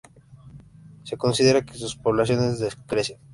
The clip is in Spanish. Se considera que sus poblaciones decrecen.